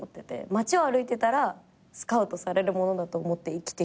街を歩いてたらスカウトされると思って生きてきてて。